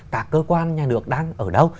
các cơ quan nhà nước đang ở đâu